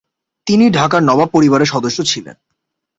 তিনি ঢাকার নবাব পরিবারের সদস্য ছিলেন।